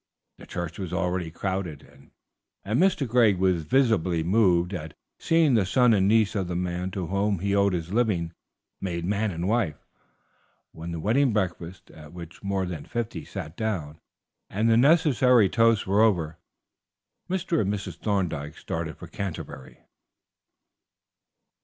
The church was already crowded, and Mr. Greg was visibly moved at seeing the son and niece of the man to whom he owed his living made man and wife. When the wedding breakfast, at which more than fifty sat down, and the necessary toasts were over, Mr. and Mrs. Thorndyke started for Canterbury.